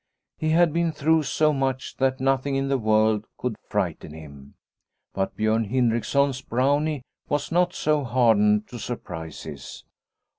He had been through so much that nothing in the world could frighten him. But Biorn Hindriksson's Brownie was not so hardened to surprises.